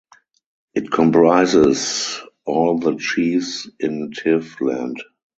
It comprises all the chiefs in Tiv land.